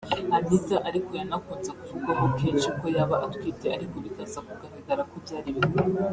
Anita ariko yanakunze kuvugwaho kenshi ko yaba atwite ariko bikaza kugaragara ko byari ibihuha